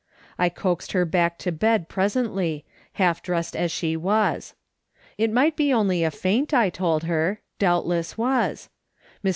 I coaxed lier back to bed presently, half dressed as she was. It might be only a faint, I told her , doubtless was. Mr.